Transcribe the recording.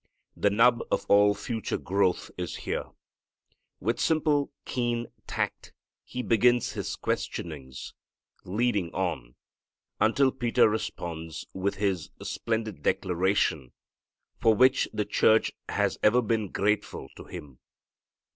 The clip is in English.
The nub of all future growth is here. With simple, keen tact He begins His questionings, leading on, until Peter responds with his splendid declaration for which the church has ever been grateful to him.